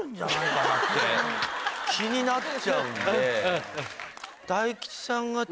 気になっちゃうんで。